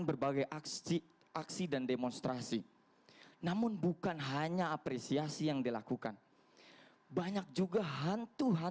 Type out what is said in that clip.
berbagai aksi aksi dan demonstrasi namun bukan hanya apresiasi yang dilakukan banyak juga hantu